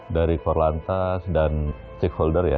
dari korlantas dan cik holder ya